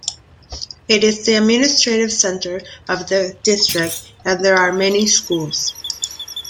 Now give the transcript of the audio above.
It is the administrative centre of the district and there are many schools.